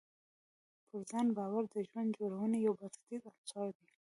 پر ځان باور د ژوند جوړونې یو بنسټیز عنصر دی.